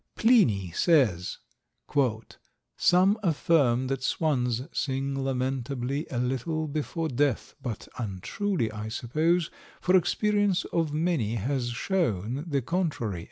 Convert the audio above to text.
Pliny says, "Some affirm that swans sing lamentably a little before death, but untruly, I suppose, for experience of many has shown the contrary."